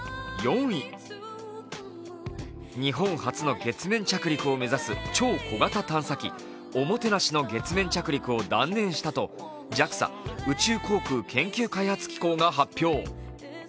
日本初の月面着陸を目指す超小型探査機ＯＭＯＴＥＮＡＳＨＩの月面着陸を断念したとＪＡＸＡ＝宇宙航空研究開発機構が発表。